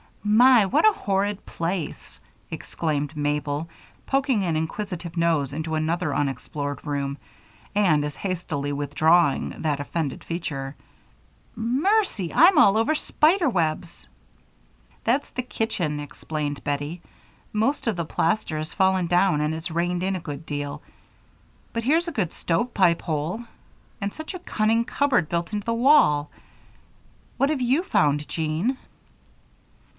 "My! what a horrid place!" exclaimed Mabel, poking an inquisitive nose into another unexplored room, and as hastily withdrawing that offended feature. "Mercy, I'm all over spider webs." "That's the kitchen," explained Bettie. "Most of the plaster has fallen down and it's rained in a good deal. But here's a good stovepipe hole, and such a cunning cupboard built into the wall. What have you found, Jean?"